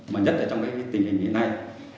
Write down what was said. mà nhất là trong tình hình hiện nay